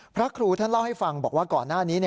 พระครูท่านเล่าให้ฟังบอกว่าก่อนหน้านี้